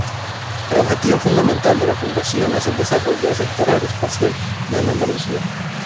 El objetivo fundamental de la Fundación es el desarrollo del Sector Aeroespacial en Andalucía.